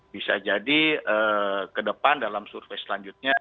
bisa jadi kedepan dalam survei selanjutnya